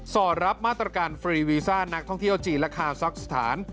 อดรับมาตรการฟรีวีซ่านักท่องเที่ยวจีนและคาซักสถาน